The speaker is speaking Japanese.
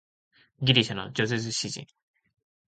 ギリシャの叙情詩人